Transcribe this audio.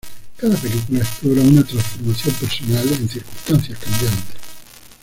Cada película explora una transformación personal, en circunstancias cambiantes.